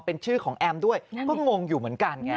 เป็นชื่อของแอมด้วยก็งงอยู่เหมือนกันไง